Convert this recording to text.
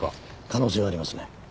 可能性はありますね。